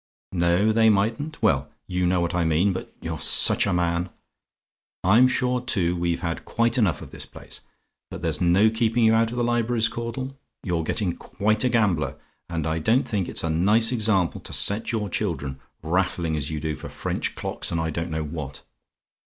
"NO THEY MIGHTN'T? "Well, you know what I mean but you're such a man! "I'm sure, too, we've had quite enough of this place. But there's no keeping you out of the libraries, Caudle. You're getting quite a gambler. And I don't think it's a nice example to set your children, raffling as you do for French clocks, and I don't know what.